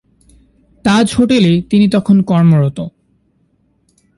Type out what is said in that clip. তাজ হোটেলে তিনি তখন কর্মরত।